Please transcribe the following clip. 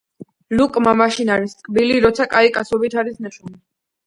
„ლუკმა მაშინ არის ტკბილი, როცა კაი კაცობით არის ნაშოვნი.“